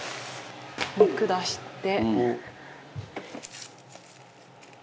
肉出して。